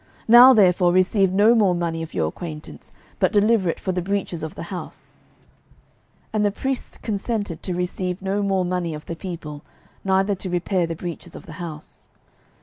now therefore receive no more money of your acquaintance, but deliver it for the breaches of the house. 12:012:008 And the priests consented to receive no more money of the people, neither to repair the breaches of the house.